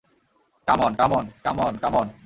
Come on come on, come on, come on!